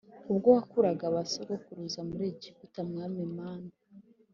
ubwo wakuraga ba sogokuruza muri Egiputa Mwami Mana